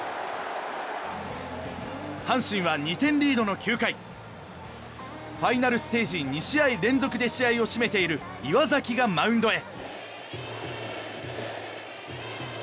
阪神は２点リードの９回ファイナルステージ２試合連続で試合を締めている岩崎がマウンドへ。